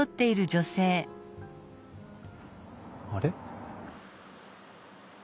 あれ？